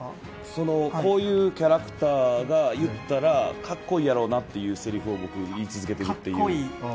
こういうキャラクターが言ったら、かっこいいやろうなというせりふを僕、言い続けているという。